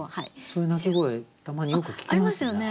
そういう鳴き声たまによく聞きますよね。